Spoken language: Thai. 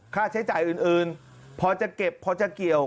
ค่าใช้จ่ายอื่นพอจะเก็บพอจะเกี่ยว